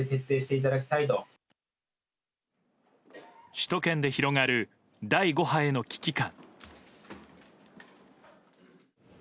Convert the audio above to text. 首都圏で広がる第５波への危機感。